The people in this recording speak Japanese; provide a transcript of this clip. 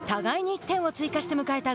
互いに１点を追加して迎えた